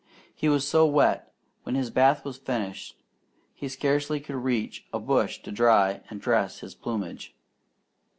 He was so wet when his bath was finished he scarcely could reach a bush to dry and dress his plumage.